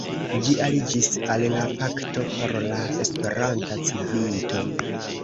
Ĝi aliĝis al la Pakto por la Esperanta Civito.